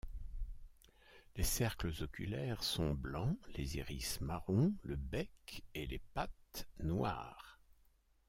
Les cercles oculaires sont blancs, les iris marron, le bec et les pattes noires.